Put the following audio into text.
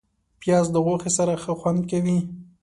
پیاز د غوښې سره ښه خوند کوي